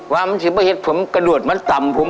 ว่ามันสิเพราะเมื่อเห็นผมกระดวดมาตามผม